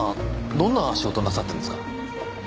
どんな仕事なさってるんですか？